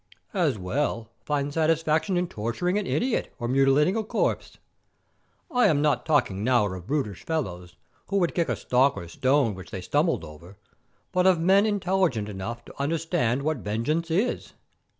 As well find satisfaction in torturing an idiot or mutilating a corpse. I am not talking now of brutish fellows, who would kick a stock or stone which they stumbled over, but of men intelligent enough to understand what vengeance is."